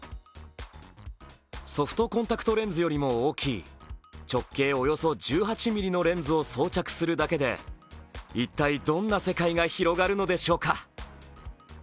ソフトコンタクトレンズよりも大きい、直径およそ１８ｍｍのレンズを装着するだけで一体どんな世界が広がるのでしょうか。